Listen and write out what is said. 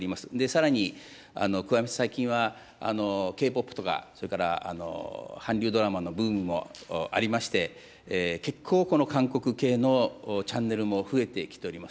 さらに加えますと、最近はＫ−ＰＯＰとか、それから韓流ドラマのブームもありまして、結構この韓国系のチャンネルも増えてきております。